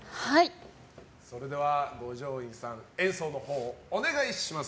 それでは五条院さん演奏をお願いします！